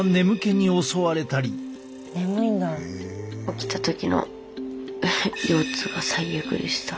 起きた時の腰痛が最悪でした。